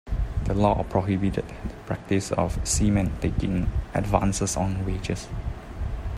This law prohibited the practice of seamen taking advances on wages.